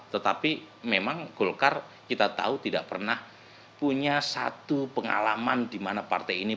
tetapi memang golkar kita tahu tidak pernah punya satu pengalaman di mana partai ini